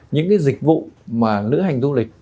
những cái dịch vụ mà lữ hành du lịch